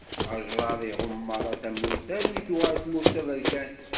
Ajṛad iɣumm meṛṛa tamurt armi i tuɣal tmurt d taberkant.